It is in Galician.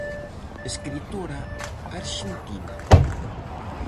Escritora arxentina.